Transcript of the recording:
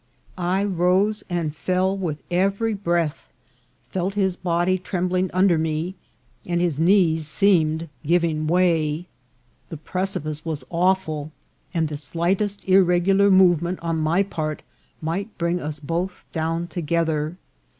I rose and fell with every breath, felt his body trembling under me, and his knees seemed giving way. The precipice was awful, and the slightest irregular movement on my part might bring us both down together.